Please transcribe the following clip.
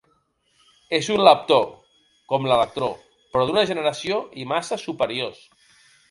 És un leptó, com l'electró, però d'una generació i massa superiors.